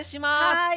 はい。